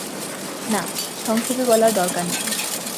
না, সংক্ষেপে বলার দরকার নেই।